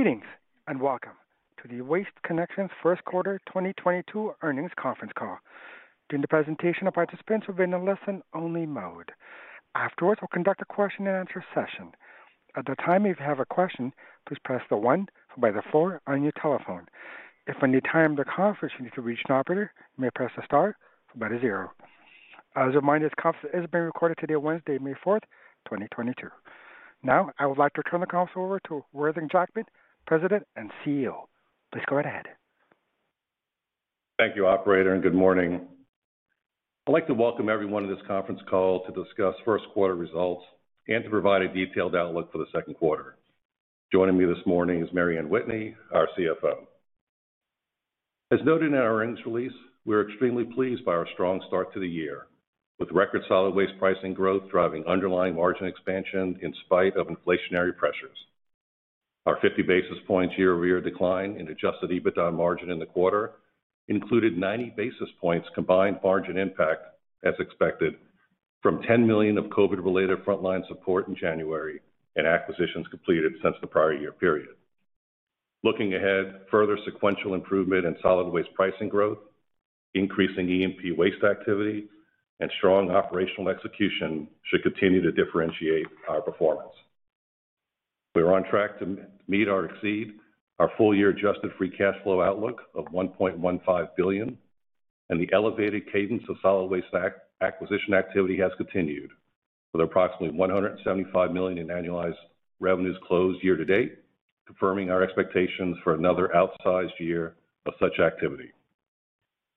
Greetings and welcome to the Waste Connections first quarter 2022 earnings conference call. During the presentation, our participants will be in a listen-only mode. Afterwards, we'll conduct a question and answer session. At the time you have a question, please press star one on your telephone. If at any time during the conference you need to reach an operator, you may press star zero. As a reminder, this conference is being recorded today, Wednesday, May 4, 2022. Now, I would like to turn the conference over to Worthing Jackman, President and CEO. Please go right ahead. Thank you, operator, and good morning. I'd like to welcome everyone to this conference call to discuss first quarter results and to provide a detailed outlook for the second quarter. Joining me this morning is Mary Anne Whitney, our CFO. As noted in our earnings release, we're extremely pleased by our strong start to the year, with record solid waste pricing growth driving underlying margin expansion in spite of inflationary pressures. Our 50 basis points year-over-year decline in adjusted EBITDA margin in the quarter included 90 basis points combined margin impact as expected from 10 million of COVID-related frontline support in January and acquisitions completed since the prior year period. Looking ahead, further sequential improvement in solid waste pricing growth, increasing E&P waste activity, and strong operational execution should continue to differentiate our performance. We're on track to meet or exceed our full year adjusted free cash flow outlook of 1.15 billion, and the elevated cadence of solid waste acquisition activity has continued, with approximately 175 million in annualized revenues closed year to date, confirming our expectations for another outsized year of such activity.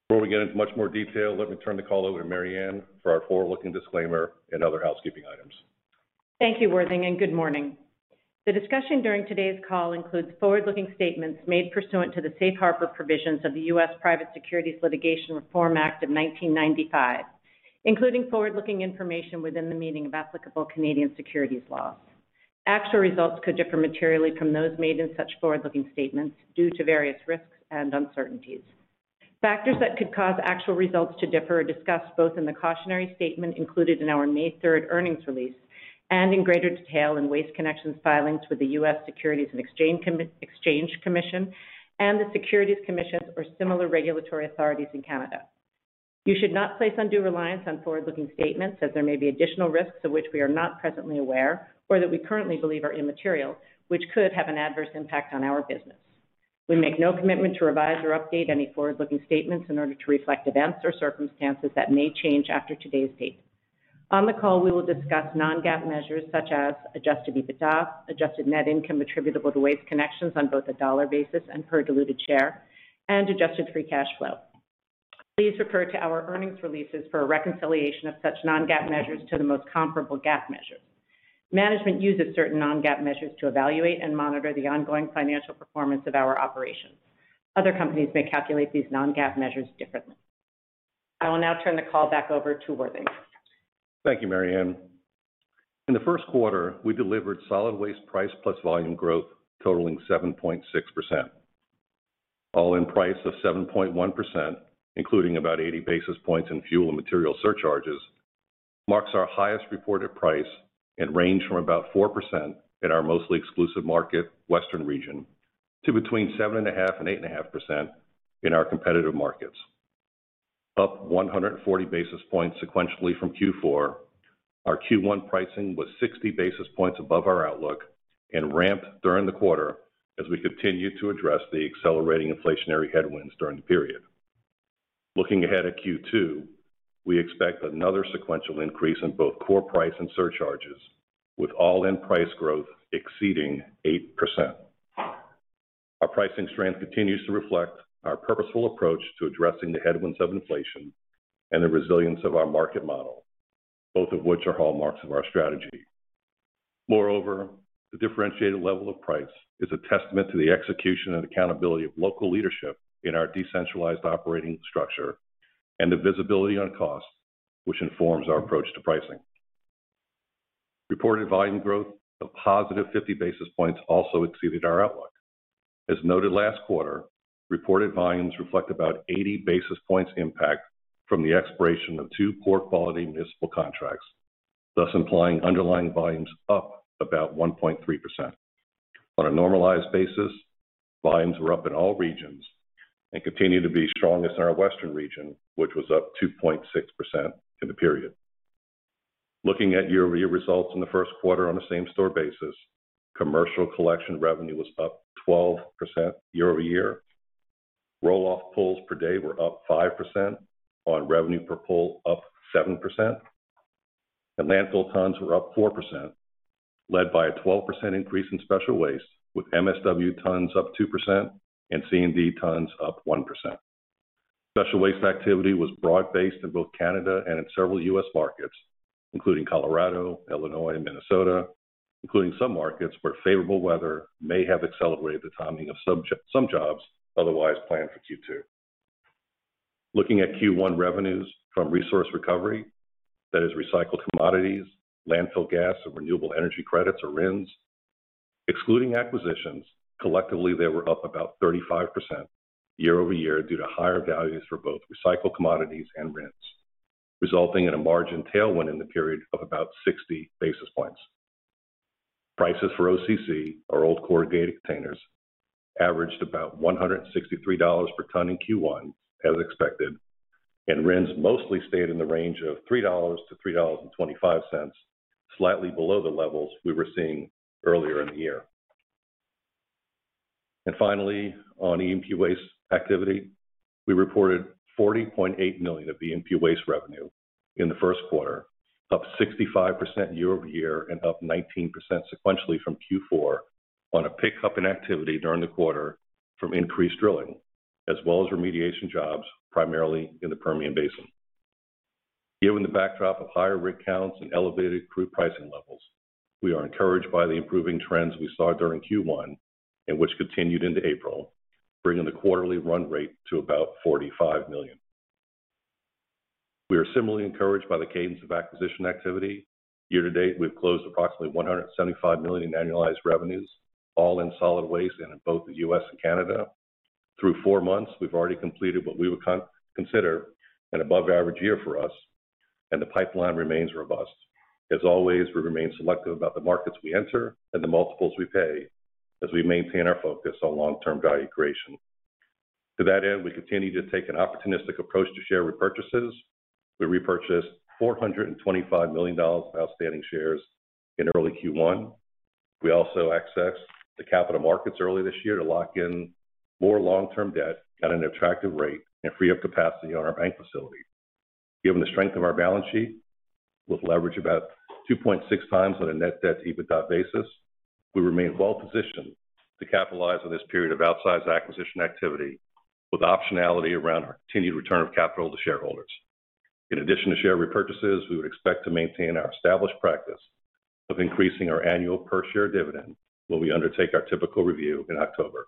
Before we get into much more detail, let me turn the call over to Mary Anne for our forward-looking disclaimer and other housekeeping items. Thank you, Worthing, and good morning. The discussion during today's call includes forward-looking statements made pursuant to the Safe Harbor Provisions of the U.S. Private Securities Litigation Reform Act of 1995, including forward-looking information within the meaning of applicable Canadian securities laws. Actual results could differ materially from those made in such forward-looking statements due to various risks and uncertainties. Factors that could cause actual results to differ are discussed both in the cautionary statement included in our May third earnings release and in greater detail in Waste Connections' filings with the U.S. Securities and Exchange Commission and the securities commissions or similar regulatory authorities in Canada. You should not place undue reliance on forward-looking statements as there may be additional risks of which we are not presently aware or that we currently believe are immaterial, which could have an adverse impact on our business. We make no commitment to revise or update any forward-looking statements in order to reflect events or circumstances that may change after today's date. On the call, we will discuss non-GAAP measures such as adjusted EBITDA, adjusted net income attributable to Waste Connections on both a dollar basis and per diluted share, and adjusted free cash flow. Please refer to our earnings releases for a reconciliation of such non-GAAP measures to the most comparable GAAP measures. Management uses certain non-GAAP measures to evaluate and monitor the ongoing financial performance of our operations. Other companies may calculate these non-GAAP measures differently. I will now turn the call back over to Worthing. Thank you, Mary Anne. In the first quarter, we delivered solid waste price plus volume growth totaling 7.6%. All-in price of 7.1%, including about 80 basis points in fuel and material surcharges, marks our highest reported price and range from about 4% in our mostly exclusive market Western region to between 7.5% and 8.5% in our competitive markets. Up 140 basis points sequentially from Q4, our Q1 pricing was 60 basis points above our outlook and ramped during the quarter as we continued to address the accelerating inflationary headwinds during the period. Looking ahead at Q2, we expect another sequential increase in both core price and surcharges, with all-in price growth exceeding 8%. Our pricing strength continues to reflect our purposeful approach to addressing the headwinds of inflation and the resilience of our market model, both of which are hallmarks of our strategy. Moreover, the differentiated level of price is a testament to the execution and accountability of local leadership in our decentralized operating structure and the visibility on cost, which informs our approach to pricing. Reported volume growth of positive 50 basis points also exceeded our outlook. As noted last quarter, reported volumes reflect about 80 basis points impact from the expiration of two poor-quality municipal contracts, thus implying underlying volumes up about 1.3%. On a normalized basis, volumes were up in all regions and continue to be strongest in our Western region, which was up 2.6% in the period. Looking at year-over-year results in the first quarter on a same-store basis, commercial collection revenue was up 12% year-over-year. Roll-off pulls per day were up 5% on revenue per pull up 7%. Landfill tons were up 4%, led by a 12% increase in special waste, with MSW tons up 2% and C&D tons up 1%. Special waste activity was broad-based in both Canada and in several U.S. markets, including Colorado, Illinois, and Minnesota, including some markets where favorable weather may have accelerated the timing of some jobs otherwise planned for Q2. Looking at Q1 revenues from resource recovery, that is recycled commodities, landfill gas, and renewable energy credits or RINs, excluding acquisitions, collectively, they were up about 35% year-over-year due to higher values for both recycled commodities and RINs. Resulting in a margin tailwind in the period of about 60 basis points. Prices for OCC, or old corrugated containers, averaged about $163 per ton in Q1 as expected, and rents mostly stayed in the range of $3 to $3.25, slightly below the levels we were seeing earlier in the year. Finally, on E&P waste activity, we reported 40.8 million of E&P waste revenue in the first quarter, up 65% year-over-year and up 19% sequentially from Q4 on a pickup in activity during the quarter from increased drilling, as well as remediation jobs, primarily in the Permian Basin. Given the backdrop of higher rig counts and elevated crude pricing levels, we are encouraged by the improving trends we saw during Q1 and which continued into April, bringing the quarterly run rate to about 45 million. We are similarly encouraged by the cadence of acquisition activity. Year-to-date, we've closed approximately 175 million in annualized revenues, all in solid waste and in both the U.S. and Canada. Through four months, we've already completed what we would consider an above average year for us, and the pipeline remains robust. As always, we remain selective about the markets we enter and the multiples we pay as we maintain our focus on long-term value creation. To that end, we continue to take an opportunistic approach to share repurchases. We repurchased $425 million of outstanding shares in early Q1. We also accessed the capital markets early this year to lock in more long-term debt at an attractive rate and free up capacity on our bank facility. Given the strength of our balance sheet, with leverage about 2.6 times on a net debt EBITDA basis, we remain well positioned to capitalize on this period of outsized acquisition activity with optionality around our continued return of capital to shareholders. In addition to share repurchases, we would expect to maintain our established practice of increasing our annual per share dividend when we undertake our typical review in October.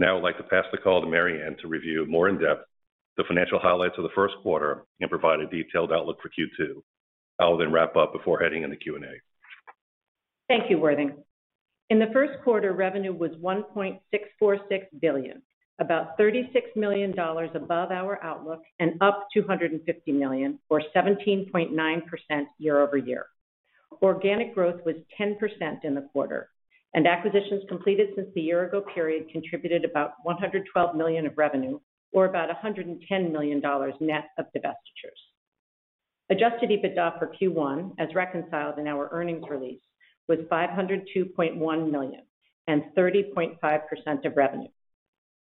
Now I'd like to pass the call to Mary Anne to review more in depth the financial highlights of the first quarter and provide a detailed outlook for Q2. I will then wrap up before heading into Q&A. Thank you, Worthing. In the first quarter, revenue was 1.646 billion, about $36 million above our outlook and up 250 million or 17.9% year-over-year. Organic growth was 10% in the quarter, and acquisitions completed since the year ago period contributed about 112 million of revenue, or about $110 million net of divestitures. Adjusted EBITDA for Q1 as reconciled in our earnings release was 502.1 million and 30.5% of revenue.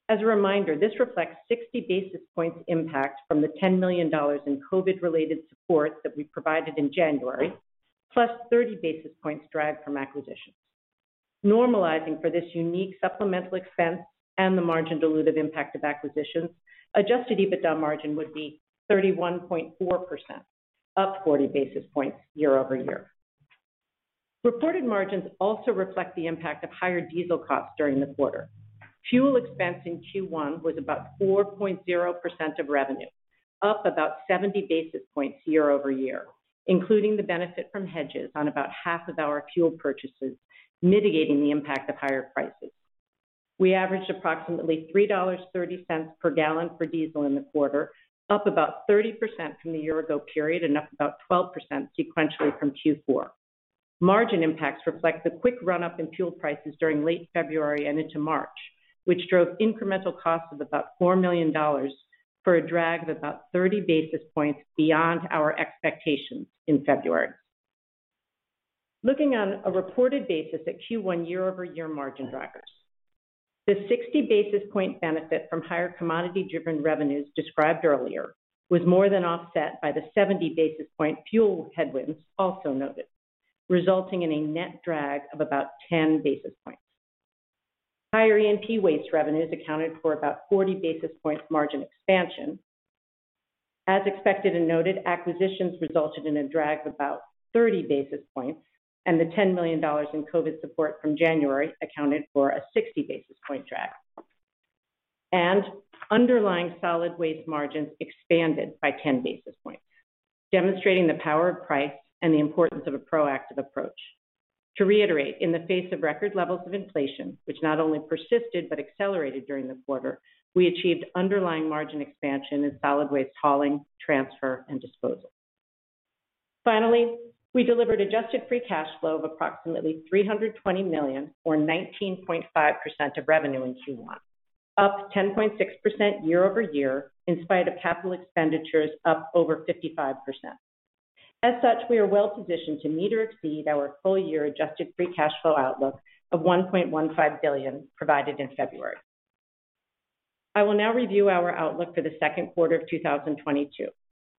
As a reminder, this reflects 60 basis points impact from the $10 million in COVID-related support that we provided in January, plus 30 basis points drag from acquisitions. Normalizing for this unique supplemental expense and the margin dilutive impact of acquisitions, adjusted EBITDA margin would be 31.4%, up 40 basis points year-over-year. Reported margins also reflect the impact of higher diesel costs during the quarter. Fuel expense in Q1 was about 4.0% of revenue, up about 70 basis points year-over-year, including the benefit from hedges on about half of our fuel purchases, mitigating the impact of higher prices. We averaged approximately $3.30 per gallon for diesel in the quarter, up about 30% from the year ago period and up about 12% sequentially from Q4. Margin impacts reflect the quick run-up in fuel prices during late February and into March, which drove incremental costs of about $4 million for a drag of about 30 basis points beyond our expectations in February. Looking on a reported basis at Q1 year-over-year margin drivers. The 60 basis point benefit from higher commodity-driven revenues described earlier was more than offset by the 70 basis point fuel headwinds also noted, resulting in a net drag of about 10 basis points. Higher E&P waste revenues accounted for about 40 basis points margin expansion. As expected and noted, acquisitions resulted in a drag of about 30 basis points, and the $10 million in COVID support from January accounted for a 60 basis point drag. Underlying solid waste margins expanded by 10 basis points, demonstrating the power of price and the importance of a proactive approach. To reiterate, in the face of record levels of inflation, which not only persisted but accelerated during the quarter, we achieved underlying margin expansion in solid waste hauling, transfer, and disposal. Finally, we delivered adjusted free cash flow of approximately 320 million or 19.5% of revenue in Q1, up 10.6% year-over-year in spite of capital expenditures up over 55%. As such, we are well-positioned to meet or exceed our full-year adjusted free cash flow outlook of 1.15 billion provided in February. I will now review our outlook for the second quarter of 2022.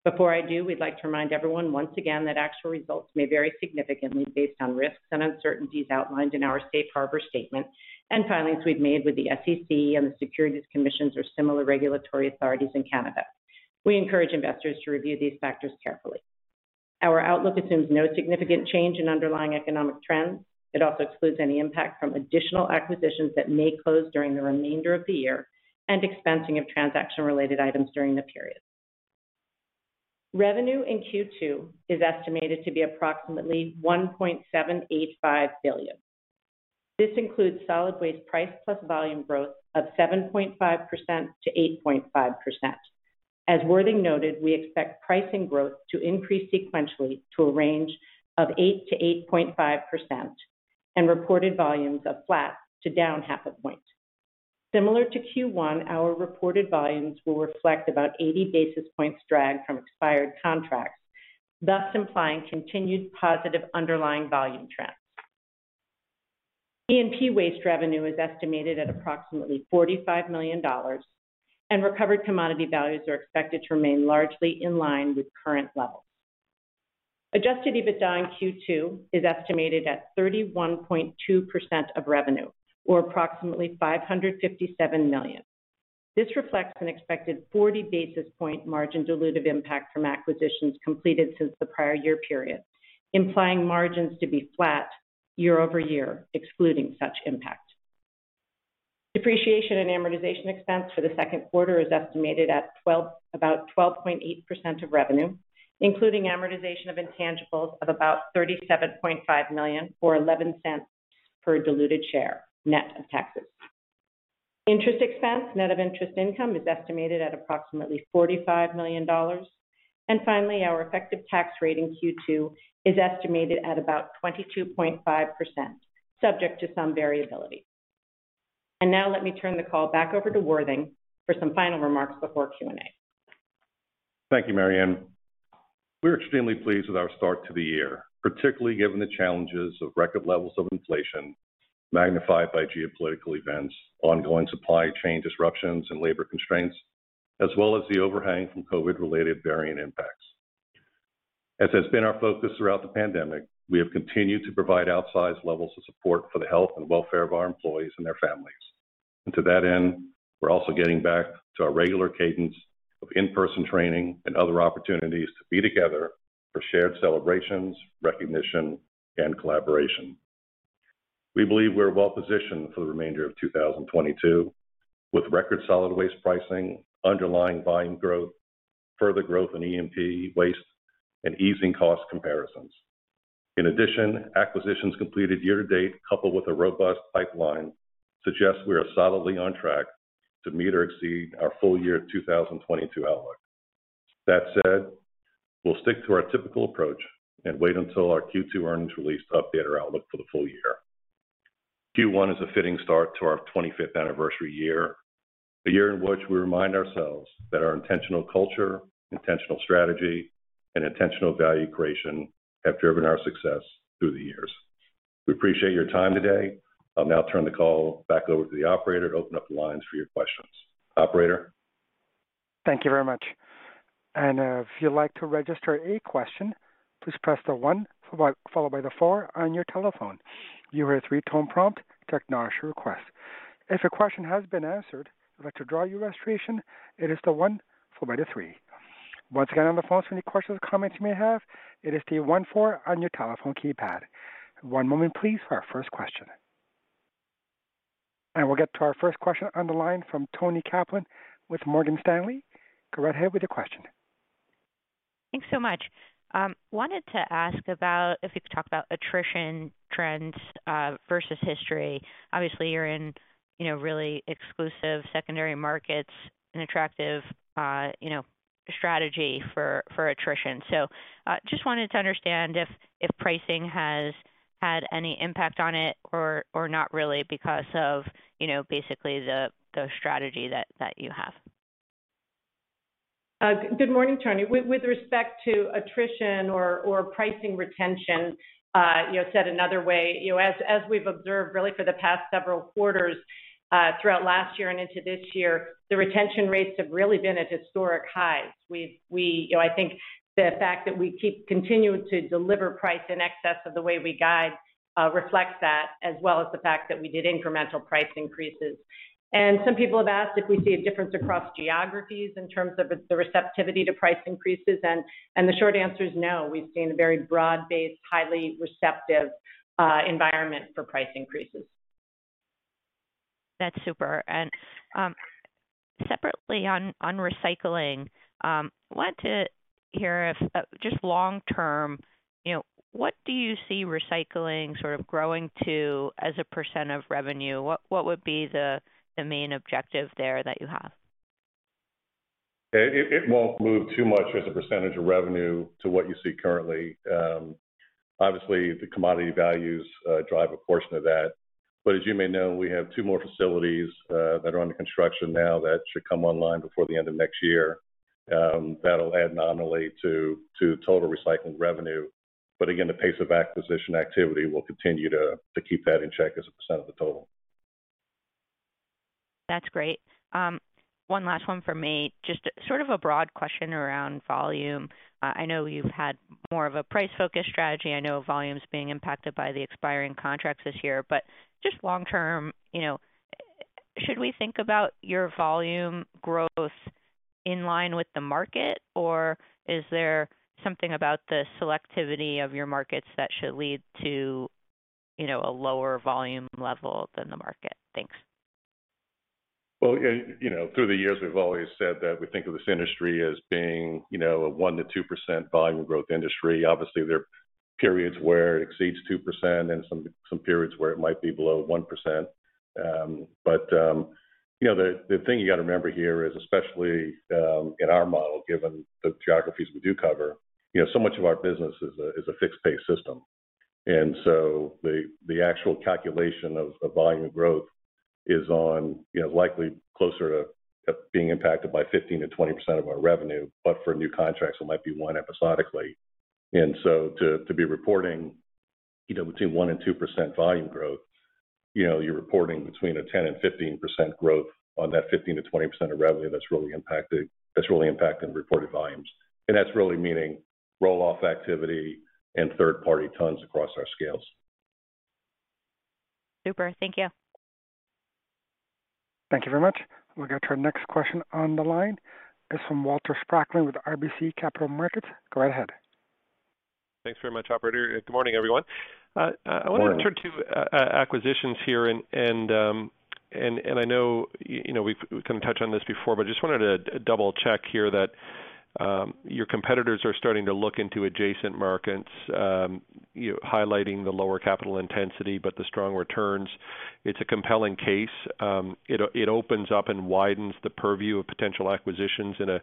Before I do, we'd like to remind everyone once again that actual results may vary significantly based on risks and uncertainties outlined in our Safe Harbor statement and filings we've made with the SEC and the securities commissions or similar regulatory authorities in Canada. We encourage investors to review these factors carefully. Our outlook assumes no significant change in underlying economic trends. It also excludes any impact from additional acquisitions that may close during the remainder of the year and expensing of transaction-related items during the period. Revenue in Q2 is estimated to be approximately 1.785 billion. This includes solid waste price plus volume growth of 7.5%-8.5%. As Worthing noted, we expect pricing growth to increase sequentially to a range of 8%-8.5% and reported volumes of flat to down 0.5 point. Similar to Q1, our reported volumes will reflect about 80 basis points drag from expired contracts, thus implying continued positive underlying volume trends. E&P waste revenue is estimated at approximately $45 million, and recovered commodity values are expected to remain largely in line with current levels. Adjusted EBITDA in Q2 is estimated at 31.2% of revenue, or approximately 557 million. This reflects an expected 40 basis point margin dilutive impact from acquisitions completed since the prior year period, implying margins to be flat year-over-year, excluding such impact. Depreciation and amortization expense for the second quarter is estimated at about 12.8% of revenue, including amortization of intangibles of about 37.5 million, or 0.11 per diluted share, net of taxes. Interest expense, net of interest income, is estimated at approximately $45 million. Our effective tax rate in Q2 is estimated at about 22.5%, subject to some variability. Now let me turn the call back over to Worthing for some final remarks before Q&A. Thank you, Mary Anne. We're extremely pleased with our start to the year, particularly given the challenges of record levels of inflation magnified by geopolitical events, ongoing supply chain disruptions and labor constraints, as well as the overhang from COVID-related variant impacts. As has been our focus throughout the pandemic, we have continued to provide outsized levels of support for the health and welfare of our employees and their families. To that end, we're also getting back to our regular cadence of in-person training and other opportunities to be together for shared celebrations, recognition, and collaboration. We believe we're well-positioned for the remainder of 2022, with record solid waste pricing, underlying volume growth, further growth in E&P waste, and easing cost comparisons. In addition, acquisitions completed year-to-date, coupled with a robust pipeline, suggests we are solidly on track to meet or exceed our full year 2022 outlook. That said, we'll stick to our typical approach and wait until our Q2 earnings release to update our outlook for the full year. Q1 is a fitting start to our 25th anniversary year, a year in which we remind ourselves that our intentional culture, intentional strategy, and intentional value creation have driven our success through the years. We appreciate your time today. I'll now turn the call back over to the operator to open up the lines for your questions. Operator? Thank you very much. If you'd like to register a question, please press one followed by four on your telephone. You will hear a 3-tone prompt to acknowledge your request. If your question has been answered and you'd like to withdraw your registration, it is one followed by three. Once again, on the phone for any questions or comments you may have, it is one, four on your telephone keypad. One moment please for our first question. We'll get to our first question on the line from Toni Kaplan with Morgan Stanley. Go right ahead with your question. Thanks so much. Wanted to ask about if you could talk about attrition trends versus history. Obviously, you're in, you know, really exclusive secondary markets, an attractive, you know, strategy for attrition. Just wanted to understand if pricing has had any impact on it or not really because of, you know, basically the strategy that you have. Good morning, Toni. With respect to attrition or pricing retention, you know, said another way, you know, as we've observed really for the past several quarters, throughout last year and into this year, the retention rates have really been at historic highs. We've. You know, I think the fact that we keep continuing to deliver price in excess of the way we guide, reflects that, as well as the fact that we did incremental price increases. Some people have asked if we see a difference across geographies in terms of the receptivity to price increases, and the short answer is no. We've seen a very broad-based, highly receptive, environment for price increases. That's super. Separately on recycling, wanted to hear if just long term, you know, what do you see recycling sort of growing to as a % of revenue? What would be the main objective there that you have? It won't move too much as a percentage of revenue to what you see currently. Obviously, the commodity values drive a portion of that. As you may know, we have two more facilities that are under construction now that should come online before the end of next year. That'll add nominally to total recycling revenue. Again, the pace of acquisition activity will continue to keep that in check as a percent of the total. That's great. One last one for me. Just sort of a broad question around volume. I know you've had more of a price-focused strategy. I know volume's being impacted by the expiring contracts this year. Just long term, you know, should we think about your volume growth in line with the market, or is there something about the selectivity of your markets that should lead to, you know, a lower volume level than the market? Thanks. Well, yeah, you know, through the years, we've always said that we think of this industry as being, you know, a 1%-2% volume growth industry. Obviously, there are periods where it exceeds 2% and some periods where it might be below 1%. You know, the thing you got to remember here is, especially, in our model, given the geographies we do cover, you know, so much of our business is a fixed pay system. The actual calculation of volume growth is on, you know, likely closer to being impacted by 15%-20% of our revenue, but for new contracts, it might be 1% episodically. To be reporting, you know, between 1%-2% volume growth, you know, you're reporting between 10%-15% growth on that 15%-20% of revenue that's really impacted, that's really impacting reported volumes. That's really meaning roll-off activity and third-party tons across our scales. Super. Thank you. Thank you very much. We'll go to our next question on the line. It's from Walter Spracklin with RBC Capital Markets. Go right ahead. Thanks very much, operator. Good morning, everyone. Morning. I wanted to turn to acquisitions here and I know, you know, we've kind of touched on this before, but just wanted to double-check here that your competitors are starting to look into adjacent markets, you know, highlighting the lower capital intensity, but the strong returns. It's a compelling case. It opens up and widens the purview of potential acquisitions in a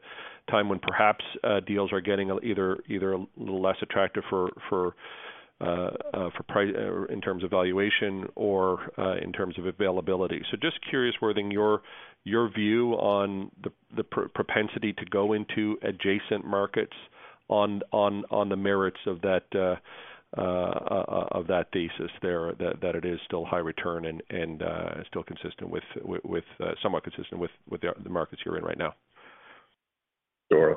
time when perhaps deals are getting either a little less attractive or in terms of valuation or in terms of availability. Just curious, Worthing, your view on the propensity to go into adjacent markets on the merits of that thesis there, that it is still high return and still somewhat consistent with the markets you're in right now. Sure.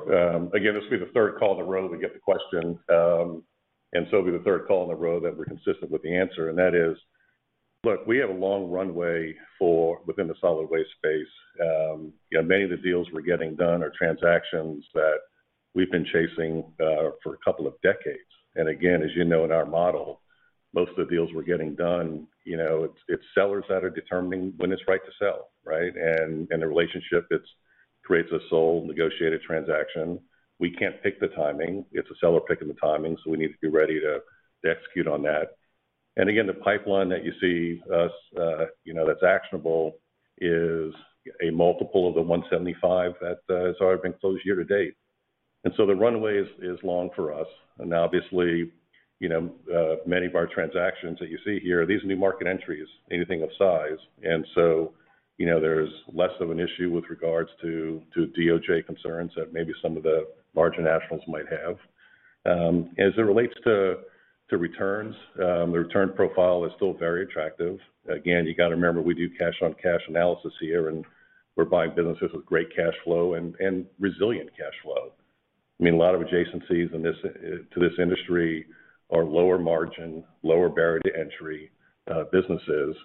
Again, this will be the third call in a row that we get the question. It'll be the third call in a row that we're consistent with the answer, and that is. Look, we have a long runway forward within the solid waste space. You know, many of the deals we're getting done are transactions that we've been chasing for a couple of decades. Again, as you know, in our model, most of the deals we're getting done, you know, it's sellers that are determining when it's right to sell, right? And the relationship that creates a sole, negotiated transaction. We can't pick the timing. It's the seller picking the timing, so we need to be ready to execute on that. Again, the pipeline that you see us you know that's actionable is a multiple of the $175 that has already been closed year to date. The runway is long for us. Obviously, you know, many of our transactions that you see here, these are new market entries, anything of size. You know, there's less of an issue with regards to DOJ concerns that maybe some of the larger nationals might have. As it relates to returns, the return profile is still very attractive. Again, you going to remember we do cash-on-cash analysis here, and we're buying businesses with great cash flow and resilient cash flow. I mean, a lot of adjacencies in this to this industry are lower margin, lower barrier to entry businesses.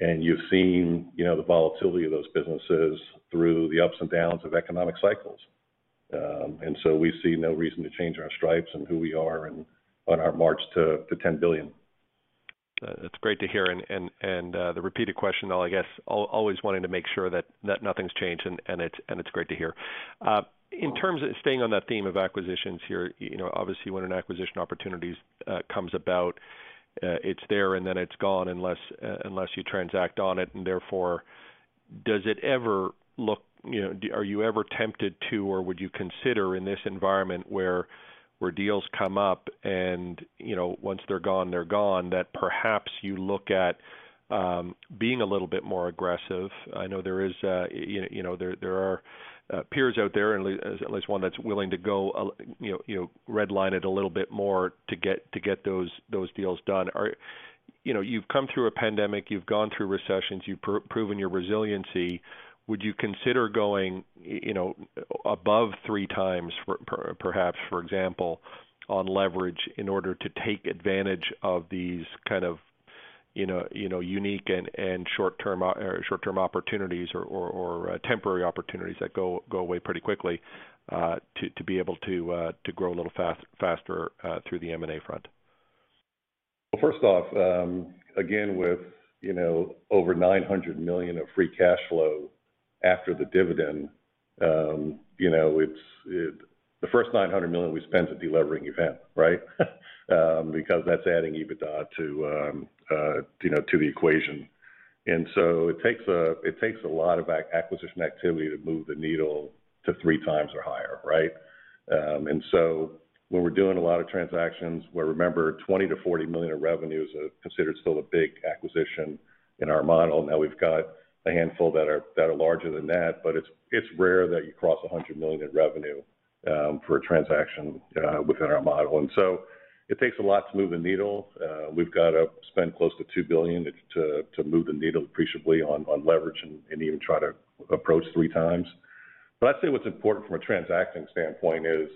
You've seen, you know, the volatility of those businesses through the ups and downs of economic cycles. We see no reason to change our stripes and who we are and on our march to 10 billion. That's great to hear. The repeated question, though, I guess, always wanting to make sure that nothing's changed and it's great to hear. In terms of staying on that theme of acquisitions here, you know, obviously when an acquisition opportunities comes about, it's there and then it's gone unless you transact on it. Therefore, does it ever look, you know. Are you ever tempted to, or would you consider in this environment where deals come up and, you know, once they're gone, they're gone, that perhaps you look at being a little bit more aggressive? I know there is you know there are peers out there at least one that's willing to go a you know red line it a little bit more to get those deals done. You know, you've come through a pandemic, you've gone through recessions, you've proven your resiliency. Would you consider going you know above three times perhaps, for example, on leverage in order to take advantage of these kind of you know unique and short-term opportunities or temporary opportunities that go away pretty quickly to be able to grow a little faster through the M&A front? Well, first off, again, with, you know, over 900 million of free cash flow after the dividend, you know, the first 900 million we spend is deleveraging event, right? Because that's adding EBITDA to, you know, to the equation. It takes a lot of acquisition activity to move the needle to 3x or higher, right? When we're doing a lot of transactions where remember, 20-40 million of revenue is considered still a big acquisition in our model. Now we've got a handful that are larger than that, but it's rare that you cross 100 million in revenue for a transaction within our model. It takes a lot to move the needle. We've got to spend close to 2 billion to move the needle appreciably on leverage and even try to approach three times. I'd say what's important from a transacting standpoint is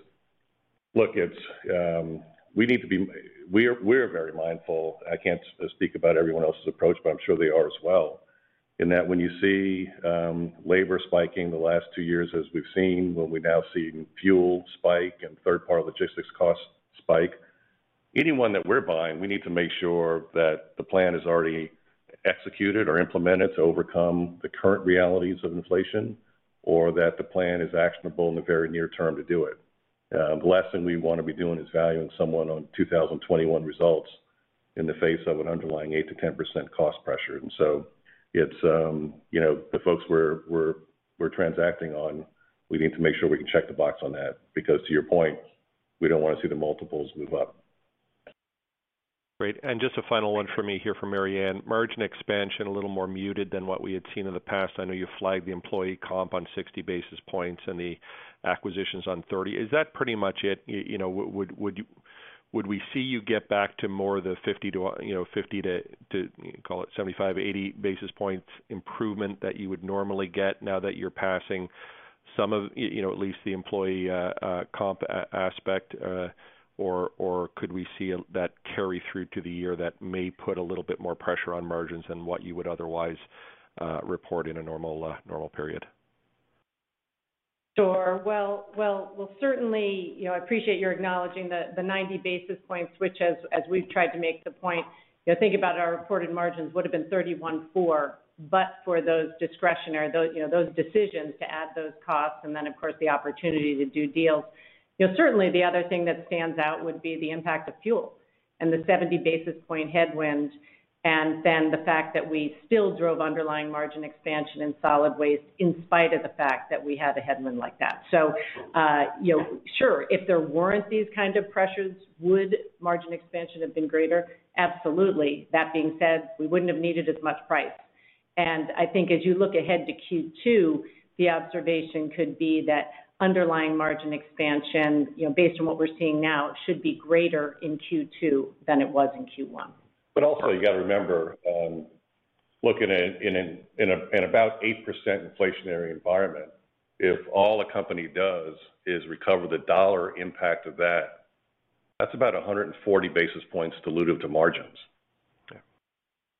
look, it's. We are, we're very mindful. I can't speak about everyone else's approach, but I'm sure they are as well, in that when you see labor spiking the last two years as we've seen, when we're now seeing fuel spike and third-party logistics costs spike. Anyone that we're buying, we need to make sure that the plan is already executed or implemented to overcome the current realities of inflation, or that the plan is actionable in the very near term to do it. The last thing we want to be doing is valuing someone on 2021 results in the face of an underlying 8%-10% cost pressure. It's you know, the folks we're transacting on, we need to make sure we can check the box on that because to your point, we don't want to see the multiples move up. Great. Just a final one for me here for Mary Anne. Margin expansion a little more muted than what we had seen in the past. I know you flagged the employee comp on 60 basis points and the acquisitions on 30. Is that pretty much it? You know, would we see you get back to more the 50 to, you know, to call it 75, 80 basis points improvement that you would normally get now that you're passing some of, you know, at least the employee comp aspect, or could we see that carry through to the year that may put a little bit more pressure on margins than what you would otherwise report in a normal period? Sure. Well, we'll certainly. You know, I appreciate your acknowledging the 90 basis points, which as we've tried to make the point, you know, think about our reported margins would have been 31.4%, but for those discretionary, you know, those decisions to add those costs and then, of course, the opportunity to do deals. You know, certainly, the other thing that stands out would be the impact of fuel and the 70 basis point headwind, and then the fact that we still drove underlying margin expansion in solid waste in spite of the fact that we had a headwind like that. You know, sure, if there weren't these kind of pressures, would margin expansion have been greater? Absolutely. That being said, we wouldn't have needed as much price. I think as you look ahead to Q2, the observation could be that underlying margin expansion, you know, based on what we're seeing now, should be greater in Q2 than it was in Q1. Also, you got to remember, looking at in about 8% inflationary environment, if all a company does is recover the dollar impact of that's about 140 basis points dilutive to margins. Okay.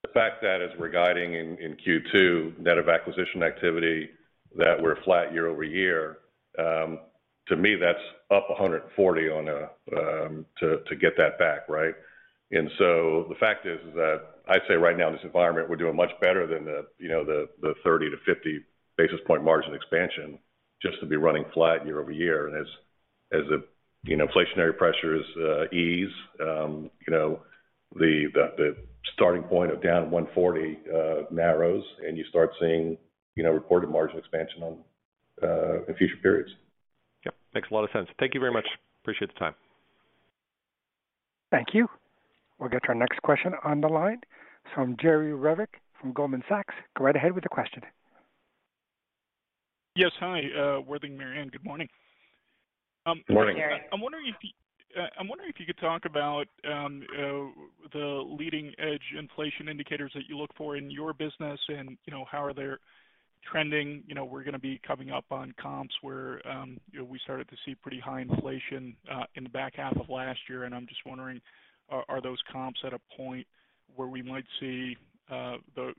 The fact that as we're guiding in Q2, net of acquisition activity, that we're flat year-over-year, to me, that's up 140 on a to get that back, right? The fact is that I'd say right now in this environment, we're doing much better than the, you know, the 30-50 basis point margin expansion just to be running flat year-over-year. As the, you know, inflationary pressures ease, the starting point of down 140 narrows and you start seeing, you know, reported margin expansion in future periods. Yep. Makes a lot of sense. Thank you very much. Appreciate the time. Thank you. We'll get to our next question on the line from Jerry Revich from Goldman Sachs. Go right ahead with the question. Yes. Hi, Worthing, Mary Anne, good morning. Morning. Good morning, Jerry. I'm wondering if you could talk about the leading edge inflation indicators that you look for in your business and, you know, how are they trending? You know, we're going to be coming up on comps where, you know, we started to see pretty high inflation in the back half of last year. I'm just wondering, are those comps at a point where we might see the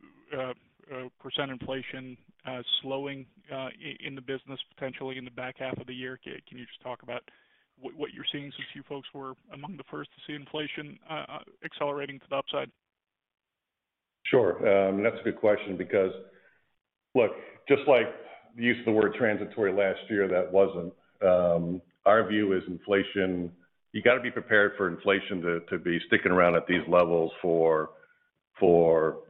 percent inflation slowing in the business potentially in the back half of the year? Can you just talk about what you're seeing since you folks were among the first to see inflation accelerating to the upside? Sure. That's a good question because, look, just like the use of the word transitory last year, that wasn't our view is inflation. You got to be prepared for inflation to be sticking around at these levels for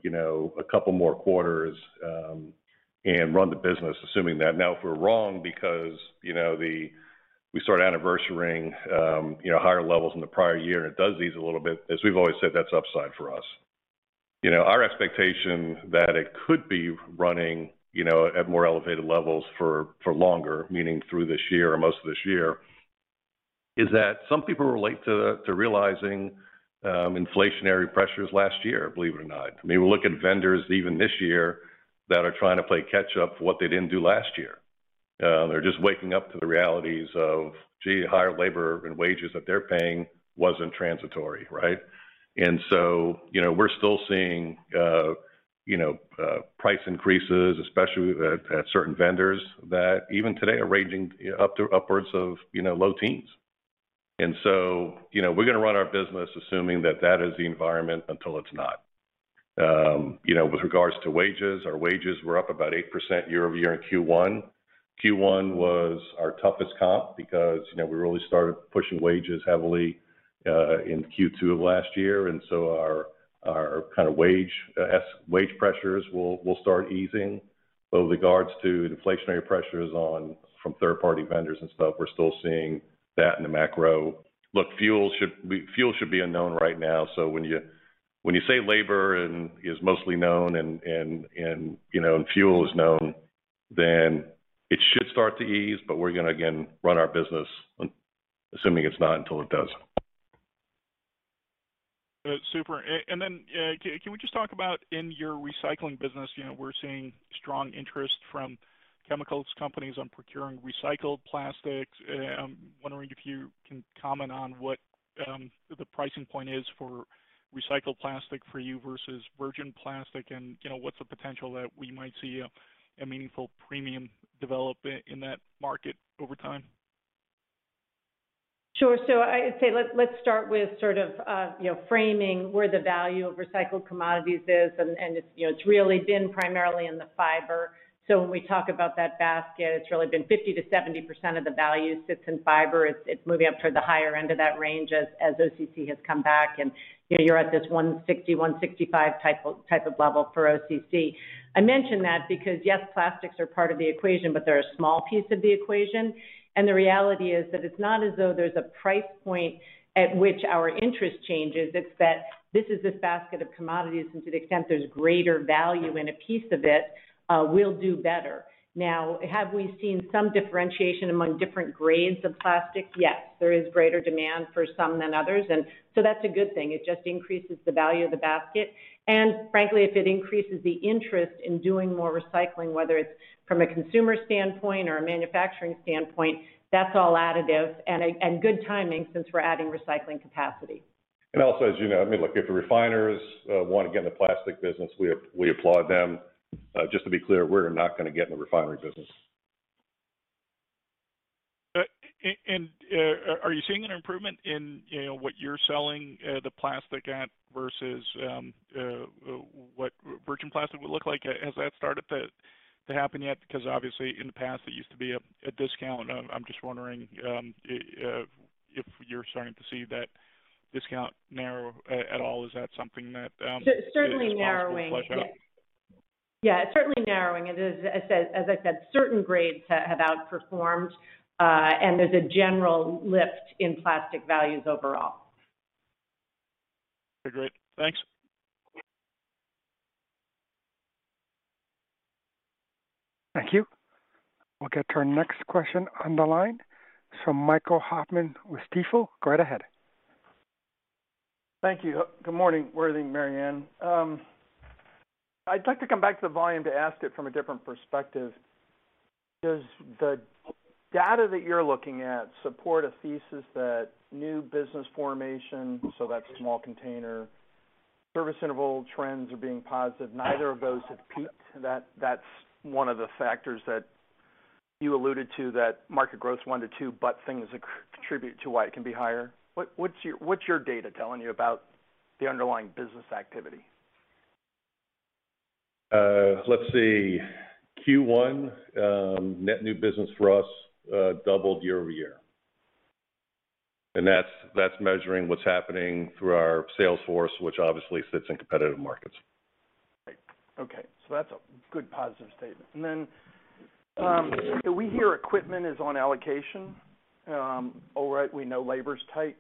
you know, a couple more quarters, and run the business assuming that. Now, if we're wrong because, you know, we start anniversarying you know, higher levels in the prior year, and it does ease a little bit, as we've always said, that's upside for us. You know, our expectation that it could be running, you know, at more elevated levels for longer, meaning through this year or most of this year, is that some people relate to realizing inflationary pressures last year, believe it or not. I mean, we look at vendors even this year that are trying to play catch up for what they didn't do last year. They're just waking up to the realities of, gee, higher labor and wages that they're paying wasn't transitory, right? You know, we're still seeing price increases, especially at certain vendors that even today are ranging up to upwards of low teens%. You know, we're going to run our business assuming that that is the environment until it's not. You know, with regards to wages, our wages were up about 8% year-over-year in Q1. Q1 was our toughest comp because you know, we really started pushing wages heavily in Q2 of last year. Our kind of wage pressures will start easing. With regards to inflationary pressures from third-party vendors and stuff, we're still seeing that in the macro. Look, fuel should be a known right now. When you say labor and is mostly known and you know and fuel is known, then it should start to ease, but we're going to, again, run our business assuming it's not until it does. Super. Can we just talk about in your recycling business, you know, we're seeing strong interest from chemical companies on procuring recycled plastics. Wondering if you can comment on what the pricing point is for recycled plastic for you versus virgin plastic, and, you know, what's the potential that we might see a meaningful premium develop in that market over time? Sure. I'd say let's start with sort of, you know, framing where the value of recycled commodities is, and it's, you know, it's really been primarily in the fiber. When we talk about that basket, it's really been 50%-70% of the value sits in fiber. It's moving up toward the higher end of that range as OCC has come back and, you know, you're at this 160-165 type of level for OCC. I mention that because, yes, plastics are part of the equation, but they're a small piece of the equation. The reality is that it's not as though there's a price point at which our interest changes. It's that this is this basket of commodities, and to the extent there's greater value in a piece of it, we'll do better. Now, have we seen some differentiation among different grades of plastic? Yes. There is greater demand for some than others, and so that's a good thing. It just increases the value of the basket. Frankly, if it increases the interest in doing more recycling, whether it's from a consumer standpoint or a manufacturing standpoint, that's all additive and good timing since we're adding recycling capacity. Also, as you know, I mean, look, if the refiners want to get in the plastic business, we applaud them. Just to be clear, we're not going to get in the refinery business. Are you seeing an improvement in, you know, what you're selling, the plastic at versus what virgin plastic would look like? Has that started to happen yet? Because obviously, in the past, there used to be a discount. I'm just wondering if you're starting to see that discount narrow at all. Is that something that It's certainly narrowing, yes. Is possible to flesh out? Yeah, it's certainly narrowing. As I said, certain grades have outperformed, and there's a general lift in plastic values overall. Okay, great. Thanks. Thank you. We'll get to our next question on the line from Michael Hoffman with Stifel. Go right ahead. Thank you. Good morning, Worthing and Mary Anne. I'd like to come back to the volume to ask it from a different perspective. Does the data that you're looking at support a thesis that new business formation, so that's small container service interval trends are being positive, neither of those have peaked? That's one of the factors that you alluded to that market growth is 1%-2%, but things contribute to why it can be higher. What's your data telling you about the underlying business activity? Let's see. Q1, net new business for us doubled year-over-year. That's measuring what's happening through our sales force, which obviously sits in competitive markets. Right. Okay. That's a good positive statement. We hear equipment is on allocation. All right, we know labor's tight.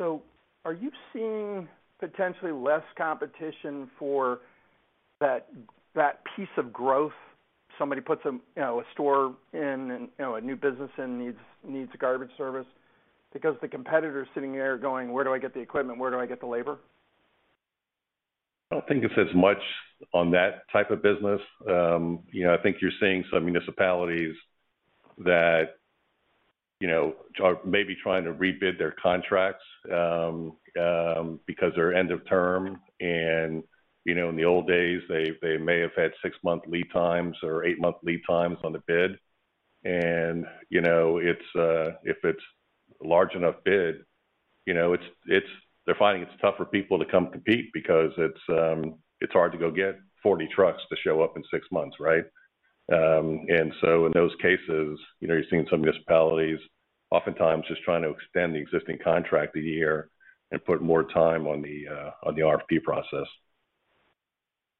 Are you seeing potentially less competition for that piece of growth? Somebody puts a, you know, a store in and, you know, a new business in, needs a garbage service because the competitor is sitting there going, "Where do I get the equipment? Where do I get the labor? I don't think it's as much on that type of business. You know, I think you're seeing some municipalities that, you know, are maybe trying to rebid their contracts because they're end of term. You know, in the old days, they may have had 6-month lead times or 8-month lead times on the bid. You know, if it's large enough bid, you know, they're finding it's tough for people to come compete because it's hard to go get 40 trucks to show up in six months, right? You know, you're seeing some municipalities oftentimes just trying to extend the existing contract a year and put more time on the RFP process.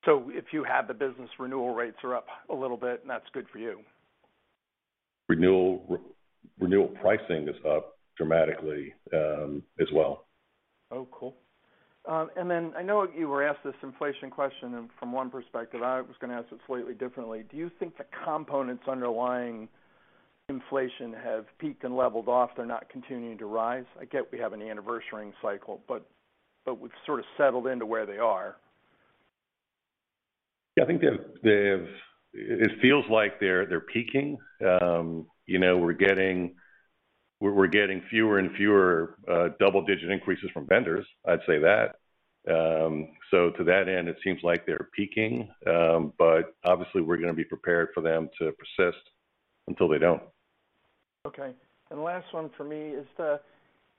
If you have the business, renewal rates are up a little bit, and that's good for you. Renewal pricing is up dramatically, as well. Oh, cool. I know you were asked this inflation question and from one perspective, I was going to ask it slightly differently. Do you think the components underlying inflation have peaked and leveled off? They're not continuing to rise. I get we have an anniversary-ing cycle, but we've sort of settled into where they are. Yeah. I think they've. It feels like they're peaking. You know, we're getting fewer and fewer double-digit increases from vendors, I'd say that. So to that end, it seems like they're peaking. But obviously, we're going to be prepared for them to persist until they don't. Okay. Last one for me. Is the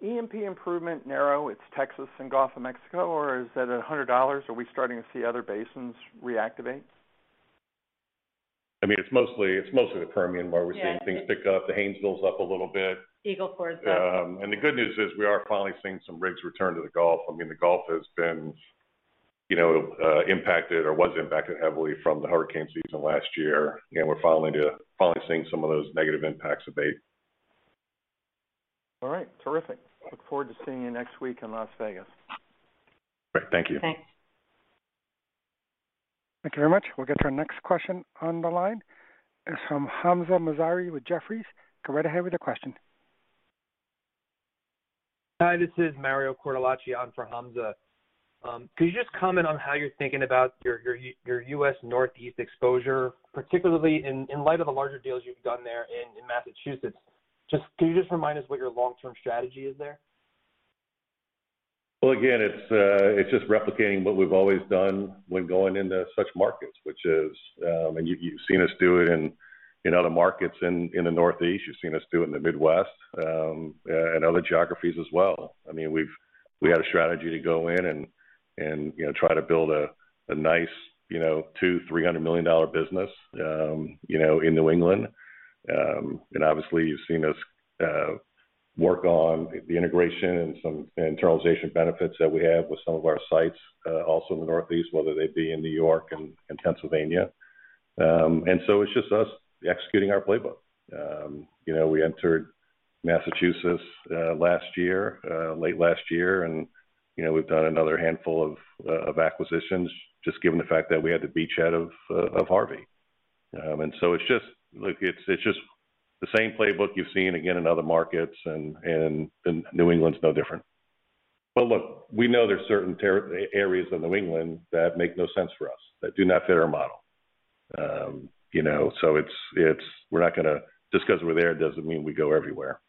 E&P improvement narrow? It's Texas and Gulf of Mexico, or is it at $100? Are we starting to see other basins reactivate? I mean, it's mostly the Permian where we're seeing. Yeah. things pick up. The Haynesville is up a little bit. Eagle Ford is up. The good news is we are finally seeing some rigs return to the Gulf. I mean, the Gulf has been, you know, impacted or was impacted heavily from the hurricane season last year. You know, we're finally seeing some of those negative impacts abate. All right. Terrific. Look forward to seeing you next week in Las Vegas. Great. Thank you. Thanks. Thank you very much. We'll get to our next question on the line. It's from Hamzah Mazari with Jefferies. Go right ahead with your question. Hi, this is Mario Cortellacci on for Hamzah Mazari. Could you just comment on how you're thinking about your U.S. Northeast exposure, particularly in light of the larger deals you've done there in Massachusetts? Can you just remind us what your long-term strategy is there? Well, again, it's just replicating what we've always done when going into such markets, which is, and you've seen us do it in other markets in the Northeast. You've seen us do it in the Midwest, and other geographies as well. I mean, we had a strategy to go in and, you know, try to build a nice, you know, $200 million-$300 million-dollar business, you know, in New England. And obviously, you've seen us work on the integration and some internalization benefits that we have with some of our sites, also in the Northeast, whether they be in New York and Pennsylvania. It's just us executing our playbook. You know, we entered Massachusetts last year, late last year. You know, we've done another handful of acquisitions just given the fact that we had to back out of Harvey. It's just the same playbook you've seen again in other markets and New England's no different. Look, we know there's certain areas in New England that make no sense for us, that do not fit our model. You know, we're not going to. Just 'cause we're there doesn't mean we go everywhere.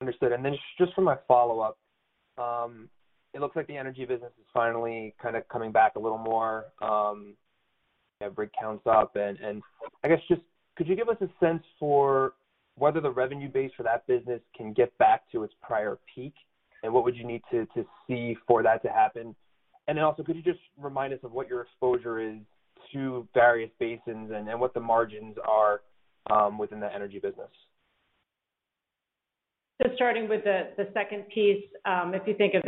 Understood. Just for my follow-up. It looks like the energy business is finally kind of coming back a little more, that rig counts up. I guess just could you give us a sense for whether the revenue base for that business can get back to its prior peak? What would you need to see for that to happen? Could you just remind us of what your exposure is to various basins and what the margins are within the energy business? Starting with the second piece, if you think of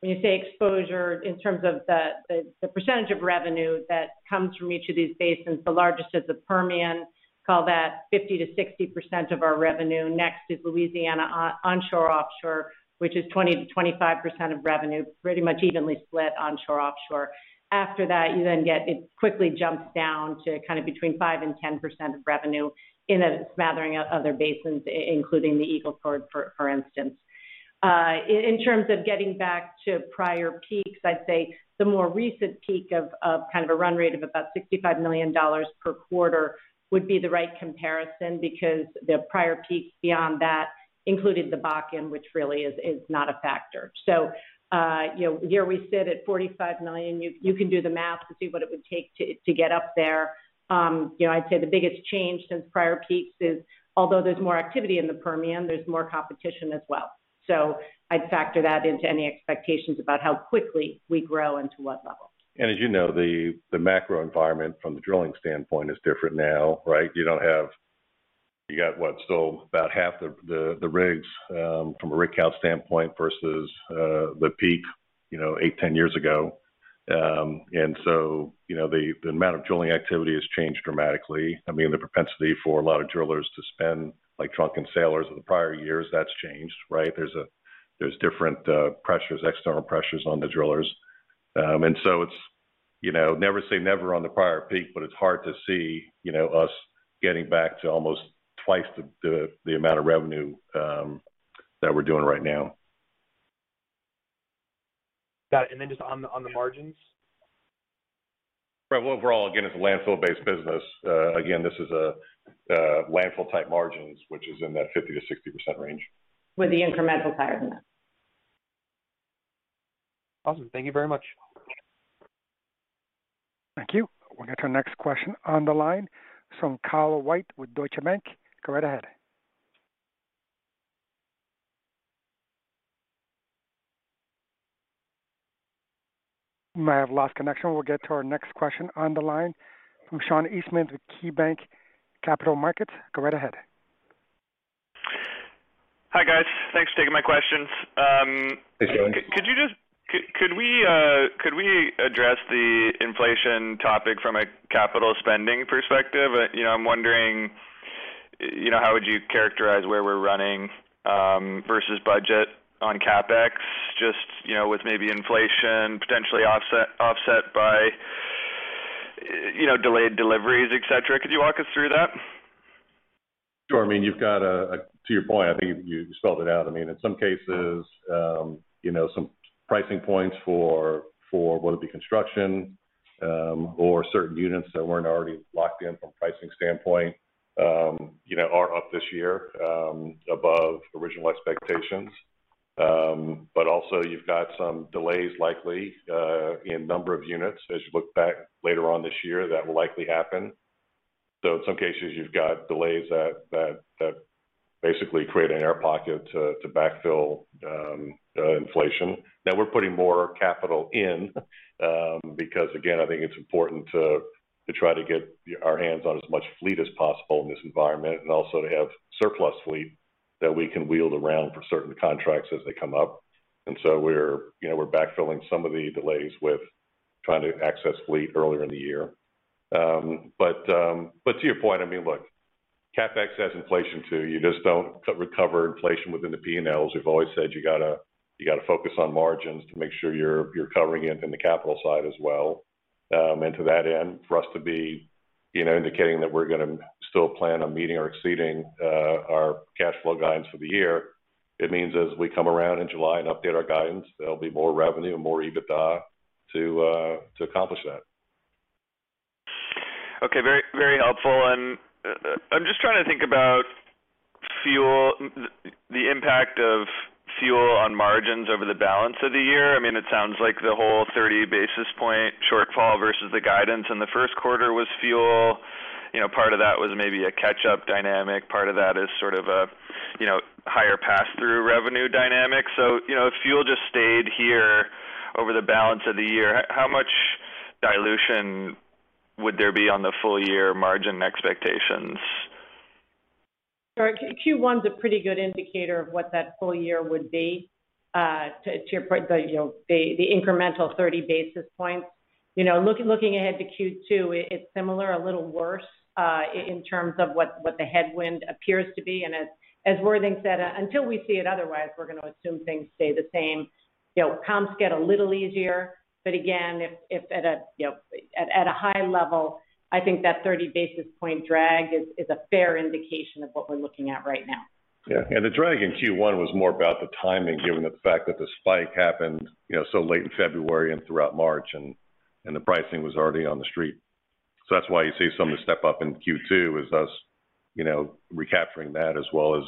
when you say exposure in terms of the percentage of revenue that comes from each of these basins, the largest is the Permian, call that 50-60% of our revenue. Next is Louisiana onshore, offshore, which is 20-25% of revenue, pretty much evenly split onshore, offshore. After that, it quickly jumps down to kind of between 5% and 10% of revenue in a smattering of other basins, including the Eagle Ford, for instance. In terms of getting back to prior peaks, I'd say the more recent peak of kind of a run rate of about $65 million per quarter would be the right comparison because the prior peaks beyond that included the Bakken, which really is not a factor. You know, here we sit at 45 million. You can do the math to see what it would take to get up there. You know, I'd say the biggest change since prior peaks is, although there's more activity in the Permian, there's more competition as well. I'd factor that into any expectations about how quickly we grow and to what level. As you know, the macro environment from the drilling standpoint is different now, right? You don't have. You got what? About half the rigs from a rig count standpoint versus the peak, you know, eight, 10 years ago. You know, the amount of drilling activity has changed dramatically. I mean, the propensity for a lot of drillers to spend like drunken sailors in the prior years, that's changed, right? There's different external pressures on the drillers. It's you know, never say never on the prior peak, but it's hard to see, you know, us getting back to almost twice the amount of revenue that we're doing right now. Got it. Just on the margins. Right. Well, overall, again, it's a landfill-based business. Again, this is landfill-type margins, which is in that 50%-60% range. With the incremental higher than that. Awesome. Thank you very much. Thank you. We'll get to our next question on the line from Kyle White with Deutsche Bank. Go right ahead. We may have lost connection. We'll get to our next question on the line from Sean Eastman with KeyBanc Capital Markets. Go right ahead. Hi, guys. Thanks for taking my questions. Hey, Sean. Could we address the inflation topic from a capital spending perspective? You know, I'm wondering, you know, how would you characterize where we're running versus budget on CapEx, just, you know, with maybe inflation potentially offset by, you know, delayed deliveries, et cetera. Could you walk us through that? Sure. I mean, you've got. To your point, I think you spelled it out. I mean, in some cases, you know, some pricing points for whether it be construction or certain units that weren't already locked in from pricing standpoint, you know, are up this year, above original expectations. Also you've got some delays likely in number of units as you look back later on this year, that will likely happen. In some cases, you've got delays that basically create an air pocket to backfill inflation. Now we're putting more capital in, because again, I think it's important to try to get our hands on as much fleet as possible in this environment, and also to have surplus fleet that we can wheel around for certain contracts as they come up. We're, you know, we're backfilling some of the delays with trying to access fleet earlier in the year. But to your point, I mean, look, CapEx has inflation, too. You just don't recover inflation within the P&Ls. We've always said you got to focus on margins to make sure you're covering it in the capital side as well. To that end, for us to be, you know, indicating that we're going to still plan on meeting or exceeding our cash flow guidance for the year. It means as we come around in July and update our guidance, there'll be more revenue and more EBITDA to accomplish that. Okay. Very, very helpful. I'm just trying to think about fuel, the impact of fuel on margins over the balance of the year. I mean, it sounds like the whole 30 basis point shortfall versus the guidance in the first quarter was fuel. You know, part of that was maybe a catch-up dynamic. Part of that is sort of a, you know, higher passthrough revenue dynamic. You know, if fuel just stayed here over the balance of the year, how much dilution would there be on the full year margin expectations? Q1 is a pretty good indicator of what that full year would be, to your point, you know, the incremental 30 basis points. You know, looking ahead to Q2, it's similar, a little worse, in terms of what the headwind appears to be. As Worthing said, until we see it otherwise, we're going to assume things stay the same. You know, comps get a little easier. Again, if at a high level, you know, I think that 30 basis point drag is a fair indication of what we're looking at right now. Yeah. The drag in Q1 was more about the timing, given the fact that the spike happened, you know, so late in February and throughout March, and the pricing was already on the street. That's why you see some of the step up in Q2 is us, you know, recapturing that as well as